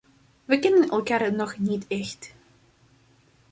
We kennen elkaar nog niet echt.